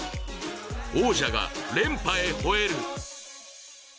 王者が連覇へほえる！